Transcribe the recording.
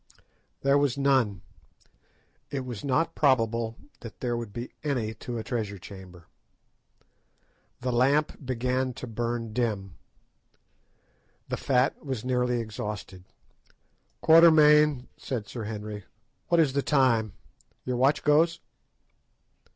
There was none. It was not probable that there would be any to a treasure chamber. The lamp began to burn dim. The fat was nearly exhausted. "Quatermain," said Sir Henry, "what is the time—your watch goes?"